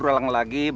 juga enggak mau